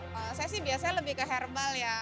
kalau saya sih biasanya lebih ke herbal ya